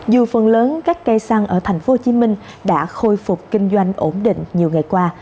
dù phần lớn các cây xăng ở tp hcm đã khôi phục kinh doanh ổn định nhiều ngày qua